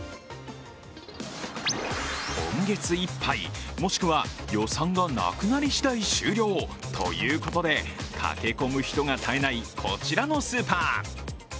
今月いっぱい、もしくは予算がなくなりしだい終了ということで駆け込む人が絶えないこちらのスーパー。